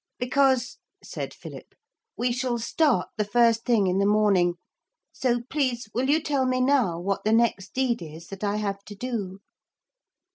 'Because,' said Philip, 'we shall start the first thing in the morning. So please will you tell me now what the next deed is that I have to do?'